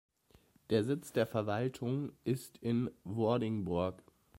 Der Sitz der Verwaltung ist in Vordingborg.